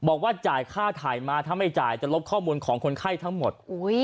บอกว่าจ่ายค่าถ่ายมาถ้าไม่จ่ายจะลบข้อมูลของคนไข้ทั้งหมด